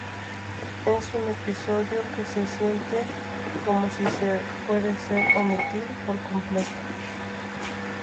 Es un episodio que se siente como si se puede ser omitir por completo.